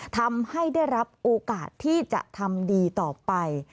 ทำให้ได้รับโอกาสที่จะทำดีต่อไป